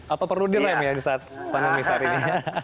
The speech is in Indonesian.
apa perlu di rem ya di saat panggung misalnya